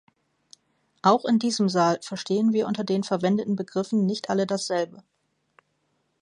Auch in diesem Saal verstehen wir unter den verwendeten Begriffen nicht alle dasselbe.